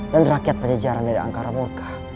dan rakyat pada jalan dari angkara murga